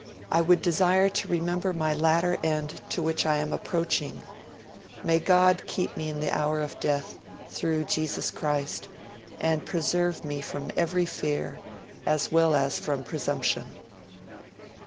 I would desire to remember my latter end to which I am approaching ... May God keep me in the hour of death, through Jesus Christ; and preserve me from every fear, as well as from presumption.'